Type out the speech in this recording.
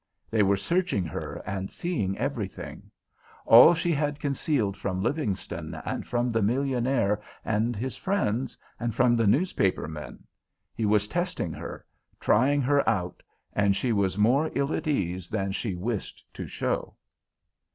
They were searching her and seeing everything; all she had concealed from Livingston, and from the millionaire and his friends, and from the newspaper men. He was testing her, trying her out, and she was more ill at ease than she wished to show.